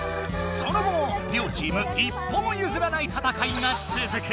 その後も両チーム一歩もゆずらない戦いがつづく。